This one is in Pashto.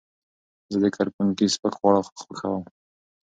زه د کرپونکي سپک خواړه خوښوم.